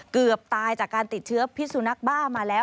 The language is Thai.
เกือบตายจากการติดเชื้อพิสุนักบ้ามาแล้ว